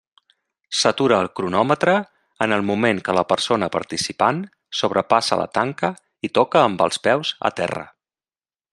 S'atura el cronòmetre en el moment que la persona participant sobrepassa la tanca i toca amb els peus a terra.